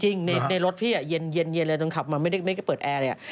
จริงในรถพี่ไอ่เย็นเลยตอนขับมันไม่ได้เปิดแอร์อะไรน่ะ